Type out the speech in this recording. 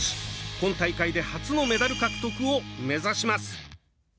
今大会で初のメダル獲得を目指します。